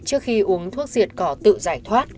trước khi uống thuốc diệt cỏ tự giải thoát